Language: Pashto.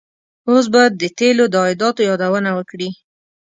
اوس به د تیلو د عایداتو یادونه وکړي.